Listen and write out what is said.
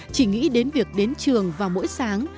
chỉ nghĩ đến việc đến trường vào mỗi sáng